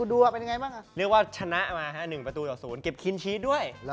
เรียกว่าชนะมา๑ประตูต่อศูนย์เก็บคินชีสด้วย